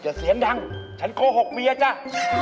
เสียงดังฉันโกหกเมียจ้ะ